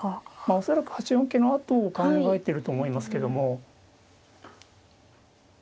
恐らく８四桂のあとを考えてると思いますけども。